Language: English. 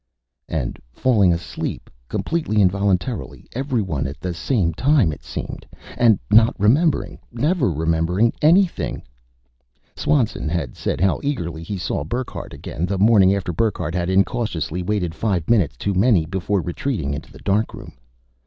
_ And falling asleep, completely involuntarily everyone at the same time, it seemed. And not remembering, never remembering anything Swanson had said how eagerly he saw Burckhardt again, the morning after Burckhardt had incautiously waited five minutes too many before retreating into the darkroom.